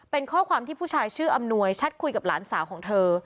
เป็นข้อความที่ผู้ชายชื่ออำนวยแชทคุยกับหลานสาวของเธอ